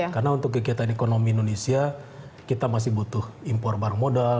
karena untuk kegiatan ekonomi indonesia kita masih butuh impor barang modal